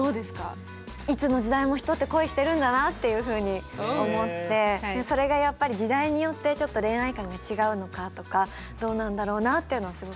いつの時代も人って恋してるんだなっていうふうに思ってそれがやっぱり時代によってちょっと恋愛観が違うのかとかどうなんだろうなっていうのはすごく気になります。